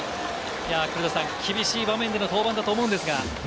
黒田さん、厳しい場面での登板だと思うんですが。